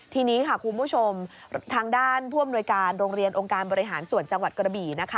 ทีนี้ค่ะคุณผู้ชมทางด้านผู้อำนวยการโรงเรียนองค์การบริหารส่วนจังหวัดกระบี่นะคะ